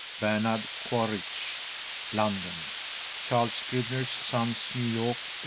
_Bernard Quaritch, London; Charles Scribner's Sons, New York, 1892.